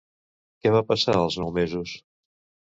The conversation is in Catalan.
Què va passar als nous mesos?